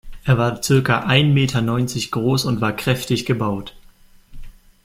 Er war circa ein Meter neunzig groß und war kräftig gebaut.